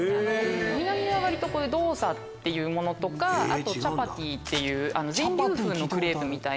南は割とドーサっていうものとかチャパティっていう全粒粉のクレープみたいな。